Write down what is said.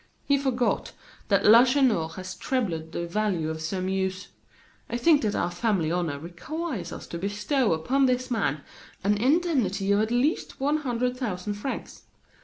"He forgot that Lacheneur has trebled the value of Sairmeuse. I think that our family honor requires us to bestow upon this man an indemnity of at least one hundred thousand francs.